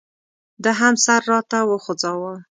ده هم سر راته وخوځاوه.